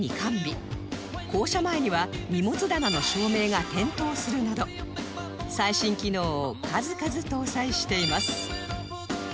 降車前には荷物棚の照明が点灯するなど最新機能を数々搭載しています